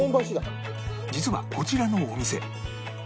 実はこちらのお店